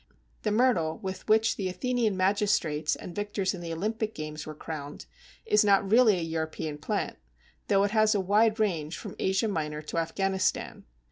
The Myrtle, with which the Athenian magistrates and victors in the Olympic games were crowned, is not really a European plant, though it has a wide range from Asia Minor to Afghanistan.